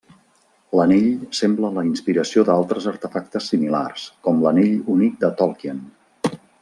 L'anell sembla la inspiració d'altres artefactes similars, com l'Anell Únic de Tolkien.